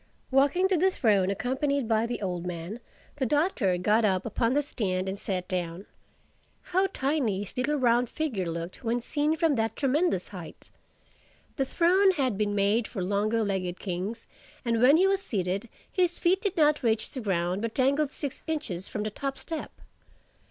Walking to the throne accompanied by the old man, the Doctor got up upon the stand and sat down. How tiny his little round figure looked when seen from that tremendous height! The throne had been made for longer legged kings; and when he was seated, his feet did not reach the ground but dangled six inches from the top step.